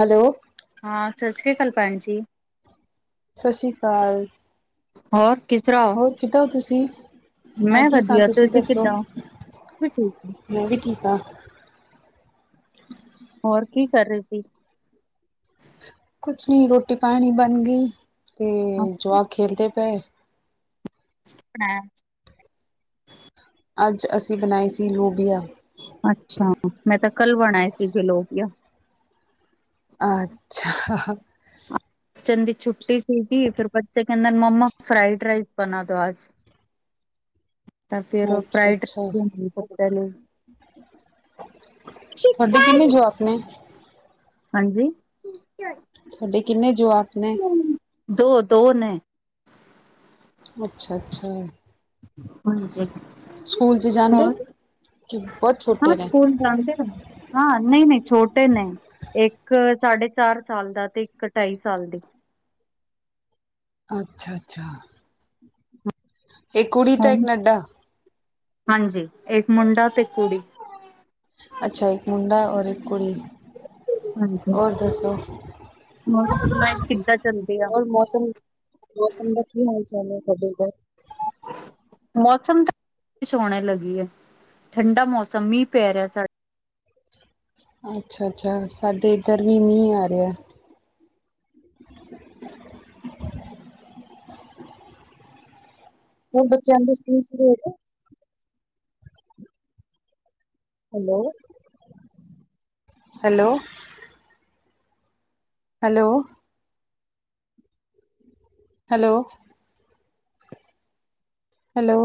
Hello. ਹਾਂ, ਸਸ ਸ੍ਰੀ ਕਾਲ ਭੈਣ ਜੀ। ਸਸ ਸੀ ਕਾਲ। ਹੋਰ ਕਿਸ ਤਰ੍ਹਾਂ ਹੋ? ਹੋਰ ਕਿੱਦਾਂ ਤੁਸੀਂ? ਮੈਂ ਠੀਕ ਆ, ਵਧੀਆ ਤੁਸੀਂ ਦੱਸੋ? ਕਿੱਦਾਂ ਹੋ? ਮੈਂ ਠੀਕ ਹੈ। ਮੈਂ ਵੀ ਠੀਕ ਹਾਂ। ਹੋਰ ਕੀ ਕਰ ਰਹੇ ਸੀ। ਕੁਛ ਨੀ ਰੋਟੀ ਪਾਣੀ ਬਣ ਗਈ ਤੇ ਜਵਾਕ ਖੇਲਦੇ ਪਏ। ਹਾਂ ਅੱਜ ਅਸੀਂ ਬਣਾਈ ਸੀ ਲੋਬੀਆ। ਕਲ ਵਣਾਏ ਸੀ। ਜੇ ਲੋਕਆ ਅੱਛਾ। ਬੱਚੇ ਦੀ ਛੁੱਟੀ ਸੀਗੀ ਫਿਰ ਬੱਚੇ ਕਹਿੰਦਾ। ਮੰਮਾ ਫਾਈਡ ਰਾਈਸ ਬਣਾ ਦੋ ਅੱਜ। ਤਾਂ ਫਿਰ ਉਹ ਫਰਾਈਡ ਰ ਤੁਆਡੇ ਕਿੰਨੇ ਜੋਬ ਨੇ? ਹਾਂਜੀ। ਤੁਆਡੇ ਕਿੰਨੇ ਜਵਾਕ ਨੇ? ਦੋ- ਦੋ ਨੇ। ਅੱਛਾ- ਅੱਛਾ। ਹਾਂਜੀ ਸਕੂਲ ਚ ਜਾਂਦੇ। ਹੋਰ ਬਹੁਤ ਹਾਂ ਛੋਟੇ ਨੇ? ਸਕੂਲ ਜਾਂਦੇ ਨੇ, ਹਾਂ ਨਈ- ਨਈ ਛੋਟੇ ਨੇ, ਏਕ ਇੱਕ ਸਾਢੇ ਚਾਰ ਸਾਲ ਦਾ ਤੇ ਇੱਕ ਢਾਈ ਸਾਲ ਦੀ। ਅੱਛਾ- ਅੱਛਾ। ਇੱਕ ਕੁੜੀ ਤਾਂ ਇੱਕ ਹੁਣ ਨੱਡਾ। ਹਾਂਜੀ ਏਕ ਮੁੰਡਾ ਤੇ ਕੁੜੀ। ਅੱਛਾ, ਇੱਕ ਮੁੰਡਾ ਔਰ ਇੱਕ ਕੁੜੀ ਹਾਂਜੀ ਓਰ ਦੱਸੋ? ਕਿੱਦਾਂ ਚੱਲਦੀ ਆ ਓਰ ਮੌਸਮ, ਮੌਸਮ ਦਾ ਕੀ ਹਾਲ- ਚਾਲ ਐ ਤੁਆਡੇ ਇਧਰ ਮੌਸਮ ਤਾਂ ਸੋਣੇ ਲੱਗੀ ਐ। ਠੰਡਾ ਮੌਸਮ ਮੀਂਹ ਪੈ ਰਿਆ ਸਾਡਾ ਅੱਛਾ-ਅੱਛਾ ਸਾਡੇ ਇੱਧਰ ਵੀ ਮੀਂਹ ਆ ਰਿਆ [inaudible] ਓਰ ਬੱਚਿਆਂ ਦੇ ਸਕੂਲ ਸ਼ੁਰੂ ਹੋਗਏ? Hello, hello. Hello. Hello. Hello.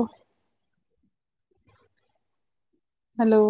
Hello.